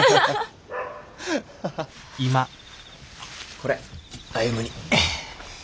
これ歩に。